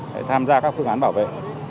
để tham gia các phương án bảo vệ